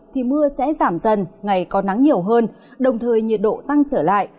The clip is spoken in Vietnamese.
thì mưa sẽ giảm dần ngày có nắng nhiều hơn đồng thời nhiệt độ tăng trở lại